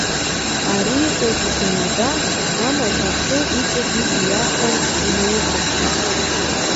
Ари иҟаиҵаз анаба, амаҭ ахы иҵагьы иҩахан инаихәаԥшит.